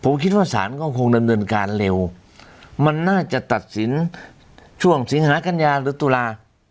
ผมคิดว่าศาลก็คงดำเนินการเร็วมันน่าจะตัดสินช่วงสิงหากัญญาหรือตุลา